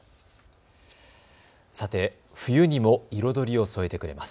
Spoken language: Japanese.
さて、冬にも彩りを添えてくれます。